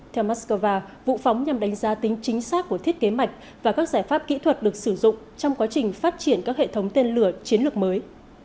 theo moscow vụ phóng nhằm đánh giá tính chính xác của thiết kế mạch và các giải pháp kỹ thuật được sử dụng trong quá trình phát triển các hệ thống tên lửa chiến lược mới